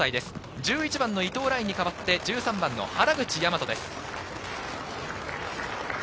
１１番・伊東來に代わって１３番の原口和です。